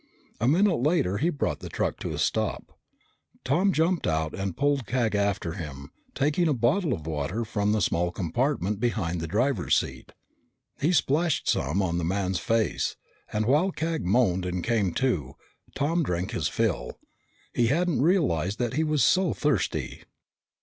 A minute later he brought the truck to a stop. Tom jumped out and pulled Cag after him, taking a bottle of water from the small compartment behind the driver's seat. He splashed some on the man's face, and while Cag moaned and came to, Tom drank his fill. He hadn't realized that he was so thirsty.